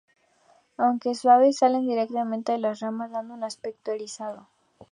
Aunque suaves salen directamente de las ramas, dando un aspecto erizado.